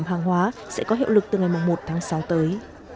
sản phẩm hàng hóa sẽ có hiệu lực từ ngày một tháng sáu tới